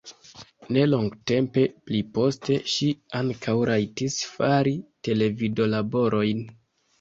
Ne longtempe pliposte ŝi ankaŭ rajtis fari televidolaborojn.